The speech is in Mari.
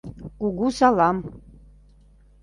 Кугу салам!